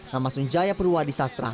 nama sunjaya perwadi sasra